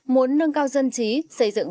muốn nâng cao dân trí xây dựng